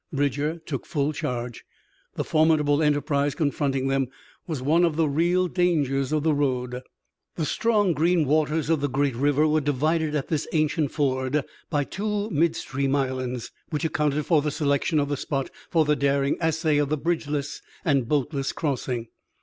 Bridger took full charge. The formidable enterprise confronting them was one of the real dangers of the road. The strong green waters of the great river were divided at this ancient ford by two midstream islands, which accounted for the selection of the spot for the daring essay of a bridgeless and boatless crossing.